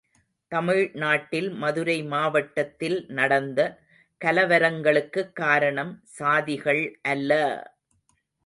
தமிழ் நாட்டில் மதுரை மாவட்டத்தில் நடந்த கலவரங்களுக்குக் காரணம் சாதிகள் அல்ல!